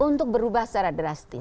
untuk berubah secara drastis